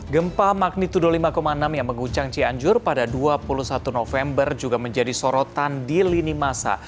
gempa magnitudo lima enam yang mengguncang cianjur pada dua puluh satu november juga menjadi sorotan di lini masa